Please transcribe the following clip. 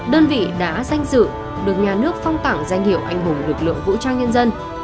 đơn vị đã danh dự được nhà nước phong tặng danh hiệu anh hùng lực lượng vũ trang nhân dân